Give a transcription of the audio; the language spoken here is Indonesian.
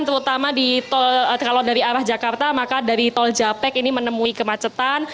terutama kalau dari arah jakarta maka dari tol japek ini menemui kemacetan